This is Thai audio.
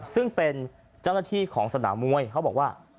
ซึ่งเป็นเจ้าหน้าที่ของสนามมวยเขาบอกว่า